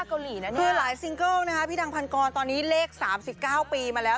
คือหลายซิงเกิลนะคะพี่ดังพันกรตอนนี้เลข๓๙ปีมาแล้ว